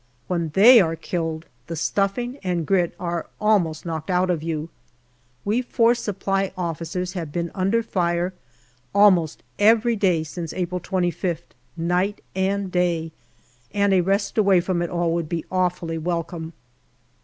When they are killed, the stuffing and grit are almost knocked out of you. We four Supply Officers have now been under fire almost every day since April 25th, night and day, and a rest away from it all would be awfully welcome.